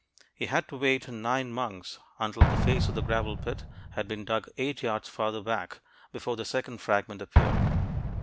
He had to wait nine months, until the face of the gravel pit had been dug eight yards farther back, before the second fragment appeared.